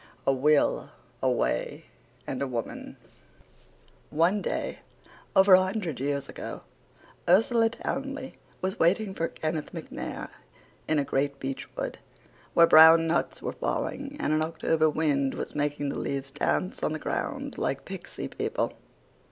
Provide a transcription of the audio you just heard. A WILL, A WAY AND A WOMAN "One day, over a hundred years ago, Ursula Townley was waiting for Kenneth MacNair in a great beechwood, where brown nuts were falling and an October wind was making the leaves dance on the ground like pixy people."